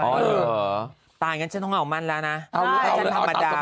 อ๋อตายอย่างนั้นฉันต้องเอามันแล้วนะฉันธรรมดามาก